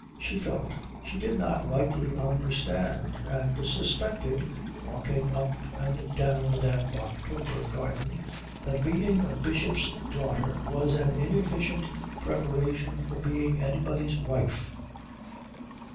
She felt she did not rightly understand; and suspected, walking up and down the damp October garden, that being a bishop's daughter was an inefficient preparation for being anybody's wife.